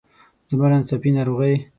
زما له ناڅاپي ناروغۍ.